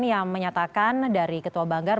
yang menyatakan dari ketua banggar